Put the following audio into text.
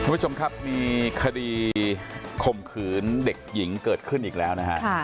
คุณผู้ชมครับมีคดีข่มขืนเด็กหญิงเกิดขึ้นอีกแล้วนะฮะ